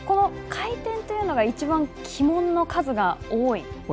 回転というのが、一番旗門の数が多いと。